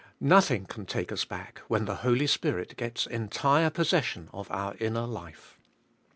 Nothing can take us back when the Holy Spirit gets entire possession of our inner life.